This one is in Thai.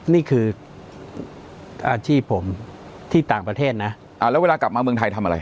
นี่คืออาชีพผมที่ต่างประเทศนะอ่าแล้วเวลากลับมาเมืองไทยทำอะไร